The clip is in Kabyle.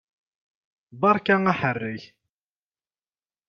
Beṛka aḥerrek!